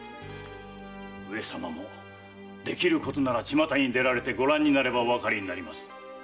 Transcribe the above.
上様もできることなら巷に出られてご覧になればおわかりになります。